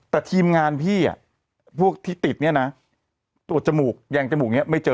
แต่ทีมงานพี่พวกที่ติดเนี่ยนะตรวจจมูกแยงจมูกนี้ไม่เจอ